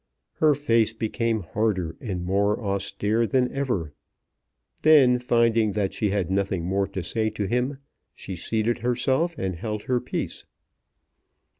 Her face became harder and more austere than ever. Then finding that she had nothing more to say to him she seated herself and held her peace.